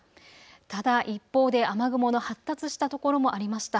ただ一方で雨雲の発達したところもありました。